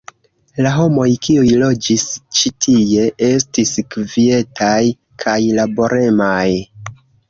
La homoj, kiuj loĝis ĉi tie, estis kvietaj kaj laboremaj.